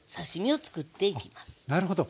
なるほど。